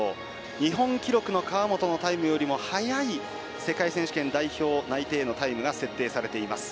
日本記録の川本のタイムよりも速い世界選手権代表内定に設定されています。